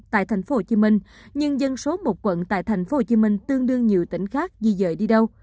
tại tp hcm nhưng dân số một quận tại tp hcm tương đương nhiều tỉnh khác di dời đi đâu